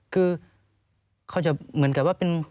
คือเขาจะเหมือนกับว่าเป็น